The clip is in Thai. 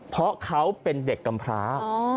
เพราะเขาเป็นเด็กกำพร้า